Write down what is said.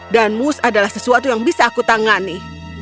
dan moose adalah sesuatu yang bisa aku tangani